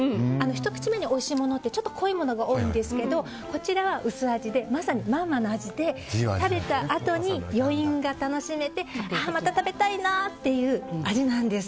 ひと口目においしいものってちょっと濃いものが多いんですけどこちらは薄味でまさにマンマの味で食べたあとに余韻が楽しめてああ、また食べたいなって味なんです。